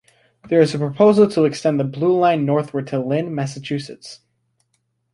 There is a proposal to extend the Blue Line northward to Lynn, Massachusetts.